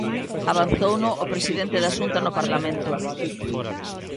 Avanzouno o presidente da Xunta no Parlamento.